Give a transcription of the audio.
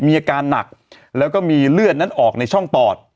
มีอาการหนักแล้วก็มีเลือดนั้นออกในช่องปอด